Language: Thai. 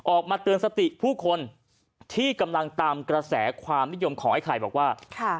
ออกมาเตือนสติผู้คนที่กำลังตามกระแสความนิยมของไอ้ไข่บอกว่า